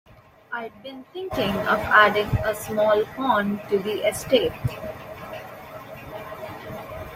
I'd been thinking of adding a small pond to the estate.